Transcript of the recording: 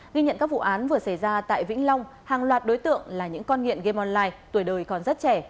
ghi nhận các vụ án vừa xảy ra tại vĩnh long hàng loạt đối tượng là những con nghiện game online tuổi đời còn rất trẻ